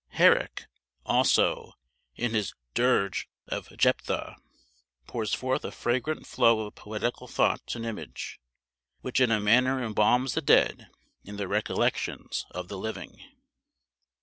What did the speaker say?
Herrick, also, in his "Dirge of Jephtha," pours forth a fragrant flow of poetical thought and image, which in a manner embalms the dead in the recollections of the living.